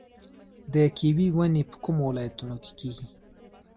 د کیوي ونې په کومو ولایتونو کې کیږي؟